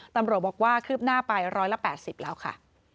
ตำรวจบอกว่าคืบหน้าไป๑๘๐แล้วค่ะ